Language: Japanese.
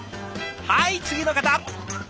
はい次の方！